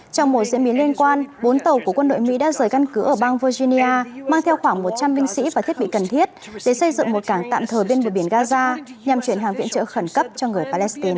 trong một diễn biến liên quan bốn tàu của quân đội mỹ đã rời căn cứ ở bang virginia mang theo khoảng một trăm linh binh sĩ và thiết bị cần thiết để xây dựng một cảng tạm thời bên bờ biển gaza nhằm chuyển hàng viện trợ khẩn cấp cho người palestine